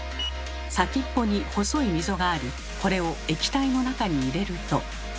先っぽに細い溝がありこれを液体の中に入れると。